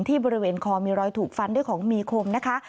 บริเวณคอมีรอยถูกฟันด้วยของมีคมนะคะ